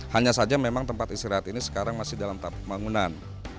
hanya saja memang tempat istirahat ini sekarang masih dalam tahap pembangunan